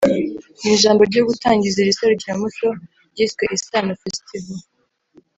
Mu ijambo ryo gutangiza iri serukiramuco ryiswe Isaano Festival